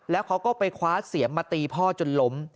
แล้วเขาก็ไปคว้าเสียมมาตีพ่อจนล้ม